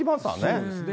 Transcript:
そうですね。